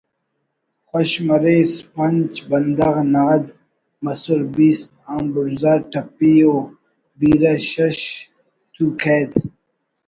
خوش مریس پنچ بندغ نغد مسُر بیست آن بڑزا ٹھپی ءُ بیرہ شش تُو قید